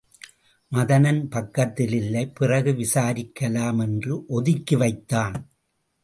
மதனன் பக்கத்தில இல்லை பிறகு விசாரிக்கலாம் என்று ஒதுக்கிவைத்தான்.